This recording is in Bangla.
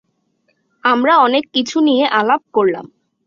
আমরা অনেক কিছু নিয়ে আলাপ করলাম।